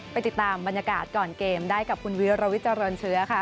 ติดตามบรรยากาศก่อนเกมได้กับคุณวิรวิทเจริญเชื้อค่ะ